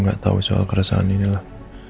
gak tau soal keresahan ini lah